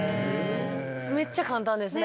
めっちゃ簡単ですね。